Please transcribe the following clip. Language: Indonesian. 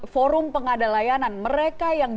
forum pengadalayanan mereka yang